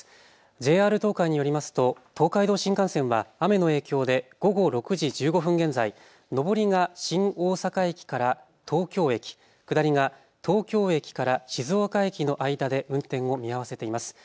ＪＲ東海によりますと東海道新幹線は雨の影響で午後６時１５分現在、上りが新大阪駅から東京駅下りが東京駅から静岡駅の間で運転を見合わせています。